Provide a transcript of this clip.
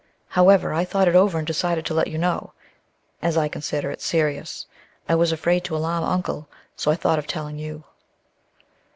However, I thought it over and decided to let you know, as I consider it serious. I was afraid to alarm Uncle, so I thought of telling you."